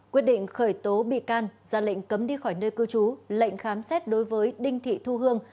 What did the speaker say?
quyết định khởi tố bị can ra lệnh cấm đi khỏi nơi cư trú lệnh khám xét đối với đinh thị thu hương